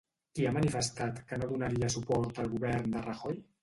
Qui ha manifestat que no donaria suport al govern de Rajoy?